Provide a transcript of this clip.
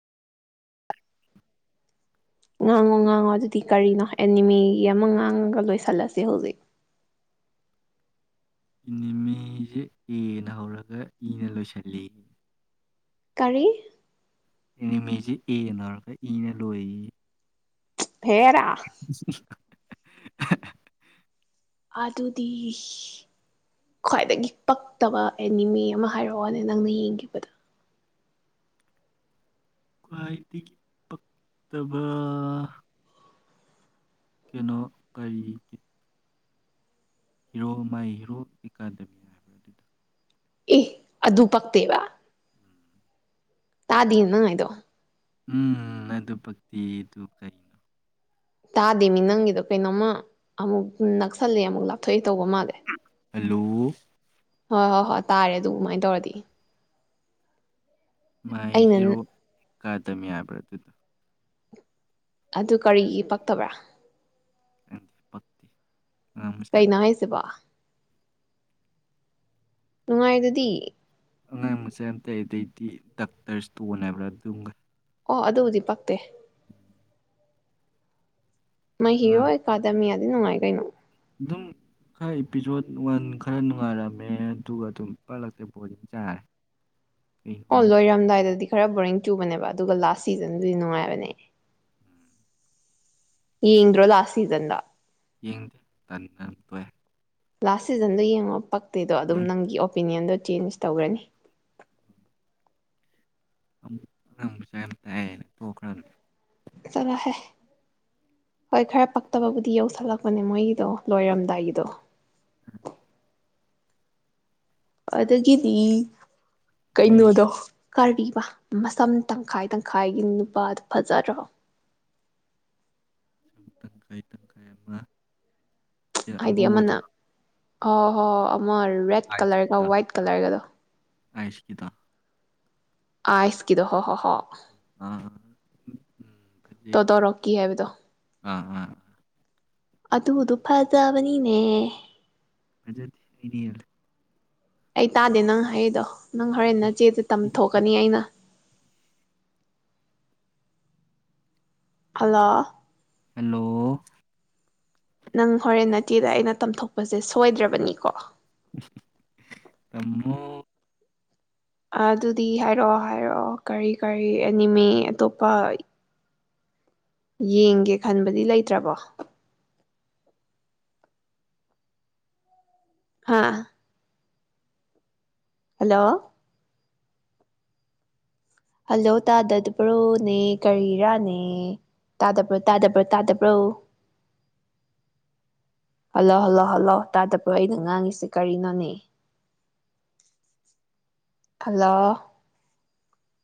ꯉꯥꯡꯉꯣ ꯉꯥꯡꯉꯣ ꯑꯗꯨꯗꯤ ꯀꯔꯤꯅꯣ ꯑꯦꯅꯤꯃꯦꯒꯤ ꯑꯃ ꯉꯥꯡꯉꯒ ꯂꯣꯏꯁꯤꯜꯂꯁꯤ ꯍꯧꯖꯤꯛ ꯏꯅꯦꯃꯤꯁꯦ ꯑꯦꯅ ꯍꯧꯔꯒ ꯏꯅ ꯂꯣꯏꯁꯤꯜꯂꯤ ꯀꯥꯔꯤ ꯏꯅꯤꯃꯤꯁꯤ ꯑꯦꯅ ꯍꯧꯔꯒ ꯏꯅ ꯂꯣꯏꯁꯤꯜꯂꯤ ꯍꯦꯔꯥ ꯏꯁ ꯢꯁ ꯑꯗꯨꯗꯨꯗꯤ ꯈ꯭ꯋꯥꯏꯗꯒꯤ ꯄꯛꯇꯕ ꯑꯦꯅꯤꯃꯦ ꯑꯃ ꯍꯥꯏꯔꯛꯑꯣꯅꯦ ꯅꯪꯅ ꯌꯦꯡꯈꯤꯕꯗ ꯈ꯭ꯋꯥꯏꯗꯒꯤ ꯄꯛꯇꯕ ꯀꯩꯅꯣ ꯀꯔꯤ ꯍꯤꯔꯣ ꯃꯥꯏ ꯍꯤꯔꯣ ꯇꯤꯀꯥꯗꯌꯥ ꯑꯦ ꯑꯗꯨ ꯄꯛꯇꯦꯕ ꯇꯥꯗꯦ ꯅꯪ ꯍꯥꯏꯗꯣ ꯎꯝ ꯑꯗꯨ ꯑꯗꯨ ꯄꯛꯇꯤ ꯑꯗꯨ ꯀꯔꯤꯅꯤ ꯇꯥꯗꯦ ꯃꯤ ꯅꯪꯒꯤꯗꯣ ꯀꯩꯅꯣꯝꯃ ꯑꯃꯨꯛ ꯅꯛꯁꯜꯂ ꯑꯃꯨꯛ ꯂꯥꯞꯊꯣꯛꯏ ꯇꯧꯕ ꯃꯥꯜꯂꯦ ꯍꯜꯂꯣ ꯍꯣꯏ ꯍꯣꯏ ꯍꯣꯏ ꯇꯥꯔꯦ ꯑꯗꯨꯃꯥꯏꯅ ꯇꯧꯔꯗꯤ ꯃꯥꯏ ꯑꯩꯅ ꯍꯦꯔꯣ ꯀꯥꯗ ꯌꯥꯕ꯭ꯔꯥ ꯑꯗꯨꯗ ꯑꯗꯨ ꯀꯔꯤꯒꯤ ꯄꯛꯇꯕ꯭ꯔꯥ ꯑꯦ ꯄꯛꯇꯤ ꯀꯩꯅꯣ ꯍꯥꯏꯁꯤꯕꯣ ꯅꯨꯡꯉꯥꯏꯗꯨꯗꯤ ꯑꯉꯥꯡ ꯃꯆꯥ ꯑꯇ ꯑꯗꯩꯗꯤ ꯗꯥꯛꯇꯔ ꯁꯇꯣꯟ ꯍꯥꯏꯕ꯭ꯔꯥ ꯑꯗꯨꯑꯃ ꯑꯣ ꯑꯗꯨꯕꯨꯗꯤ ꯄꯛꯇꯦ ꯃꯩ ꯍꯤꯔꯣ ꯑꯉꯥꯡ ꯑꯦꯀꯥꯗꯃꯤꯌꯥꯗꯤ ꯅꯨꯡꯉꯥꯏ ꯀꯩꯅꯣ ꯑꯗꯨꯝ ꯈꯔ ꯏꯄꯤꯁꯣꯠ ꯋꯥꯟ ꯈꯔ ꯅꯨꯡꯉꯥꯏꯔꯝꯃꯦ ꯑꯗꯨꯒ ꯑꯗꯨꯝ ꯄꯛꯂꯝꯛꯇꯦ ꯕꯣꯔꯤꯡ ꯆꯥꯔꯦ ꯀꯩꯅꯣ ꯑꯣ ꯈꯪꯗꯦ ꯂꯣꯏꯔꯝꯗꯥꯏꯗꯗꯤ ꯈꯔ ꯕꯣꯔꯤꯡ ꯆꯨꯕꯅꯦꯕ ꯑꯗꯨꯒ ꯂꯥꯁ ꯁꯤꯖꯟꯗꯨꯗꯤ ꯅꯨꯡꯉꯥꯏꯕꯅꯦ ꯌꯦꯡꯗ꯭ꯔꯣ ꯂꯥꯁ ꯁꯤꯖꯟꯗꯣ ꯌꯦꯡꯗꯦ ꯇꯟꯗꯅ ꯇꯣꯛꯑꯦ ꯂꯥꯁ ꯁꯤꯖꯟꯗꯣ ꯌꯦꯡꯉꯣ ꯄꯛꯇꯦꯗꯣ ꯑꯗꯨꯝ ꯑꯗꯩ ꯅꯪꯒꯤ ꯑꯣꯄꯤꯅꯤꯌꯟꯗꯣ ꯆꯦꯟꯖ ꯇꯧꯈ꯭ꯔꯅꯤ ꯑꯉꯥꯡ ꯃꯆꯥ ꯌꯥꯝ ꯇꯥꯏꯌꯦꯅ ꯇꯣꯛꯈ꯭ꯔꯕꯅꯤ ꯆꯠꯂꯣꯍꯦ ꯍꯣꯏ ꯈꯔ ꯄꯛꯇꯕꯕꯨꯗꯤ ꯌꯧꯁꯜꯂꯛꯄꯅꯦ ꯃꯣꯏꯒꯤꯗꯣ ꯂꯣꯏꯔꯝꯗꯥꯏꯒꯤꯗꯣ ꯎꯝ ꯑꯗꯨꯒꯤꯗꯤ ꯑꯗꯩ ꯀꯩꯅꯣꯗꯣ ꯀꯔꯤꯕ ꯃꯁꯝ ꯇꯪꯈꯥꯏ ꯇꯪꯈꯥꯏꯒꯤ ꯅꯨꯄꯥꯗꯣ ꯐꯖꯗ꯭ꯔꯣ ꯁꯝ ꯇꯪꯈꯥꯏ ꯇꯪꯈꯥꯏ ꯑꯃ ꯍꯥꯏꯗꯤ ꯑꯉꯧꯕꯗꯣ ꯑꯃꯅ ꯍꯣꯏ ꯍꯣꯏ ꯑꯃ ꯔꯦꯠ ꯀꯂꯔꯒ ꯋꯥꯏꯠ ꯀꯂꯔꯒꯗꯣ ꯑꯥꯏꯁ ꯀꯤꯗꯣ ꯑꯥꯢꯁ ꯀꯤꯗꯣ ꯍꯣ ꯍꯣꯏ ꯍꯣꯏ ꯑ ꯇꯣ ꯗꯣꯔꯛꯀꯤ ꯍꯥꯏꯕꯗꯣ ꯑꯥ ꯑꯥ ꯑꯗꯨꯗꯣ ꯐꯖꯕꯅꯤꯅꯦ ꯃꯖꯠ ꯑꯦꯗꯤꯌꯥ ꯑꯩ ꯇꯥꯗꯦ ꯅꯪ ꯍꯩꯗꯣ ꯅꯪ ꯍꯣꯔꯦꯟ ꯅꯆꯦꯗ ꯍꯦꯜꯂꯦ ꯇꯝꯊꯣꯛꯀꯅꯤ ꯑꯩꯅ ꯍꯂ ꯍꯂꯣ ꯅꯪ ꯍꯣꯔꯦꯟ ꯅꯇꯦꯗ ꯑꯩꯅ ꯇꯝꯊꯣꯛꯄꯁꯦ ꯁꯣꯏꯗ꯭ꯔꯕꯅꯤꯀꯣ ꯇꯃꯣ ꯑꯗꯨꯗꯤ ꯍꯥꯏꯔꯛꯑꯣ ꯍꯥꯏꯔꯛꯑꯣ ꯀꯔꯤ ꯀꯔꯤ ꯑꯦꯅꯤꯃꯤ ꯑꯇꯣꯞꯄ ꯌꯦꯡꯒꯦ ꯈꯟꯕꯗꯤ ꯂꯩꯇ꯭ꯔꯕꯣ ꯍꯥꯥ ꯍꯜꯂꯣ ꯍꯜꯂꯣ ꯇꯥꯗꯠꯕ꯭ꯔꯣꯅꯦ ꯀꯔꯤꯔꯥꯅꯦ ꯇꯥꯗꯕ꯭ꯔꯣ ꯇꯥꯗꯕ꯭ꯔꯥ ꯇꯥꯗꯕ꯭ꯔꯣ ꯍꯜꯂꯣ ꯍꯜꯂꯣ ꯍꯜꯂꯣ ꯇꯥꯗꯄ ꯑꯩꯅ ꯉꯥꯡꯉꯁꯤꯦ ꯀꯔꯤꯅꯣꯅꯦ ꯍꯜꯂ